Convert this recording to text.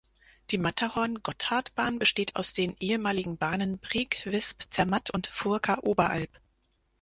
Die Matterhorn-Gotthard-Bahn besteht aus den ehemaligen Bahnen Brig–Visp–Zermatt und Furka–Oberalp.